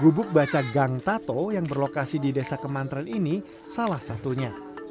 gugup baca gangtatu yang berlokasi di desa kementerian ini salah satunya